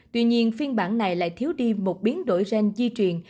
tuy nhiên phiên bản này lại thiếu đi một biến đổi gen di truyền